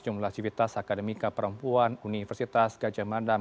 jumlah aktivitas akademika perempuan universitas gajah madam